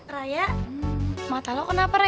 raya mata lo kenapa raya